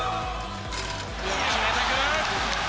決めてくる。